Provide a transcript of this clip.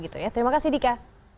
terima kasih dika